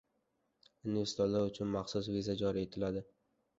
Investorlar uchun maxsus viza joriy etiladi